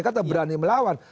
kan berani melawan